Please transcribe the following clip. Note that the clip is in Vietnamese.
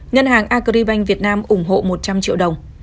ngân hàng agribank việt nam ủng hộ một trăm linh triệu đồng